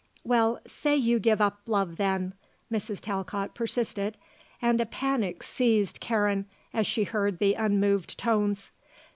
"Well, say you give up love, then," Mrs. Talcott persisted, and a panic seized Karen as she heard the unmoved tones.